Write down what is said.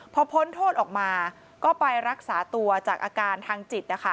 พอพ้นโทษออกมาก็ไปรักษาตัวจากอาการทางจิต